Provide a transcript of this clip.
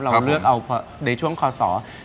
เราเลือกเอาในช่วงคศ๑๙๒๐๑๙๓๐